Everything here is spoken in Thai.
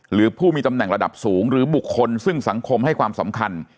หรือผู้มีตำแหน่งระดับสูงหรือบุคคลซึ่งสังคมให้ความสำคัญ